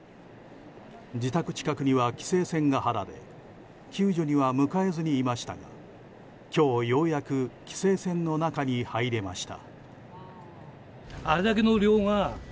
自宅近くには規制線が張られ救助には向かえずにいましたが今日ようやく規制線の中に入れました。